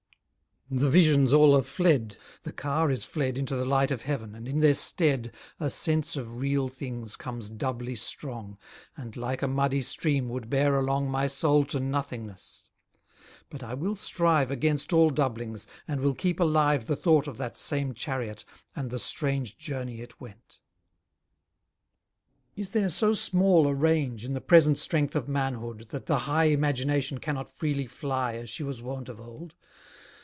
The visions all are fled the car is fled Into the light of heaven, and in their stead A sense of real things comes doubly strong, And, like a muddy stream, would bear along My soul to nothingness: but I will strive Against all doublings, and will keep alive The thought of that same chariot, and the strange Journey it went. Is there so small a range In the present strength of manhood, that the high Imagination cannot freely fly As she was wont of old?